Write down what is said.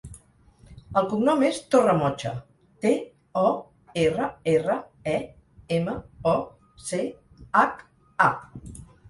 El cognom és Torremocha: te, o, erra, erra, e, ema, o, ce, hac, a.